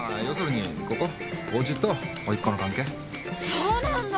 そうなんだ。